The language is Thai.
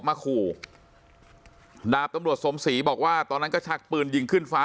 มาขู่ดาบตำรวจสมศรีบอกว่าตอนนั้นก็ชักปืนยิงขึ้นฟ้า